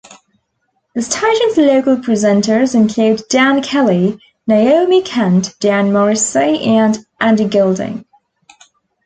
The station's local presenters include Dan Kelly, Naomi Kent, Dan Morrissey and Andy Goulding.